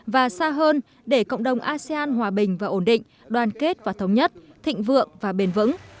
và xa hơn để cộng đồng asean hòa bình và ổn định đoàn kết và thống nhất thịnh vượng và bền vững